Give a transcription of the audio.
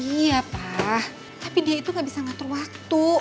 iya pak tapi dia itu gak bisa ngatur waktu